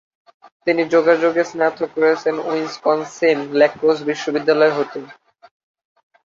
তিনি যোগাযোগে স্নাতক করেছেন উইসকনসিন-ল্যাক্রোজ বিশ্ববিদ্যালয়ে হতে।